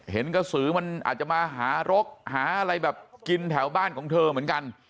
เห็นกระสือมันอาจจะมาหารกหาอะไรแบบกินแถวบ้านของเธอเหมือนกัน